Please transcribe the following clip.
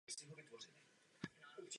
Edita manžela přežila o devět let.